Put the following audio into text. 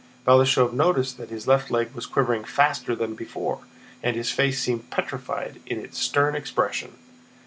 Balashëv noticed that his left leg was quivering faster than before and his face seemed petrified in its stern expression.